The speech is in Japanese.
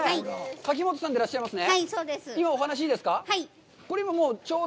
柿本さんでいらっしゃいますね？